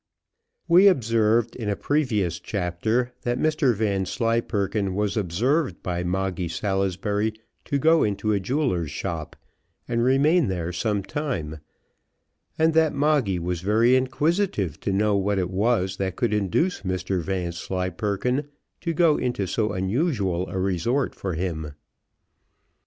We observed, in a previous chapter, that Mr Vanslyperken was observed by Moggy Salisbury to go into a jeweller's shop, and remain there some time, and that Moggy was very inquisitive to know what it was that could induce Mr Vanslyperken to go into so unusual a resort for him.